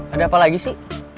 ada apa lagi sih